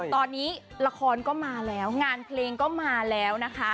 ตอนนี้ละครก็มาแล้วงานเพลงก็มาแล้วนะคะ